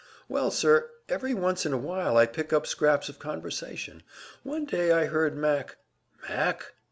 "Well, sir, every once in a while I pick up scraps of conversation. One day I heard Mac " "Mac?"